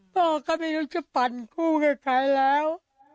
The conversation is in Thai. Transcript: พ่อก็ไม่รู้จะปั่นคู่กับใครแล้ว